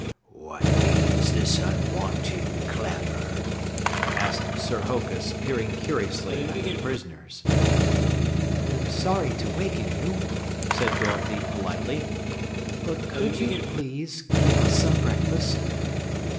"What means this unwonted clamor?" asked Sir Hokus, peering curiously at the prisoners. "We're sorry to waken you," said Dorothy politely, "but could you please give us some breakfast?"